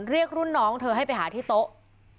เรียกรุ่นน้องเธอให้ไปหาที่โต๊ะ